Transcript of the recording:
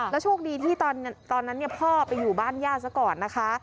โชคดีที่ตอนนั้นพ่อไปอยู่บ้านญาติซะก่อนนะคะ